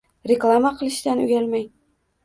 Reklama qilishdan uyalmang